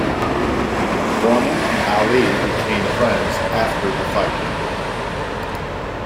Foreman and Ali became friends after the fight.